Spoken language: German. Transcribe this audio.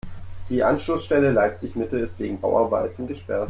Die Anschlussstelle Leipzig-Mitte ist wegen Bauarbeiten gesperrt.